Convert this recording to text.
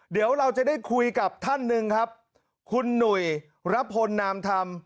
เดี๋ยวเราจะได้คุยกับท่านหนึ่งครับคุณหนุ่ยระพลนามธรรม